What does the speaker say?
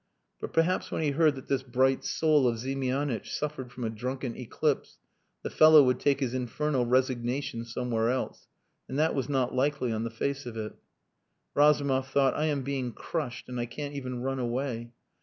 But perhaps when he heard that this "bright soul" of Ziemianitch suffered from a drunken eclipse the fellow would take his infernal resignation somewhere else. And that was not likely on the face of it. Razumov thought: "I am being crushed and I can't even run away."